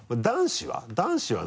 男子は？